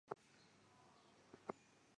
现已成立江口汉崖墓博物馆对外展示。